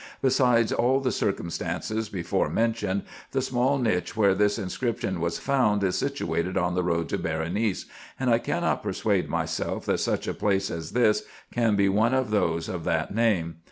Besides all the circumstances before mentioned, the small niche where this inscription was found is situated on the road to Berenice ; and I cannot persuade myself that such a place as this can be one of those of that name.